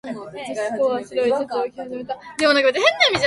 息子は白いシャツを着ていたはずだ